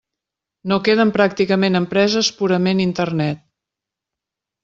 No queden pràcticament empreses purament Internet.